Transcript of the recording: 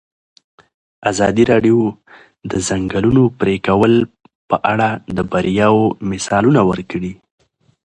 ازادي راډیو د د ځنګلونو پرېکول په اړه د بریاوو مثالونه ورکړي.